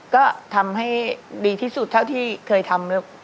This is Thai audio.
ก็ทำให้ดีที่สุดเท่าที่เคยทำ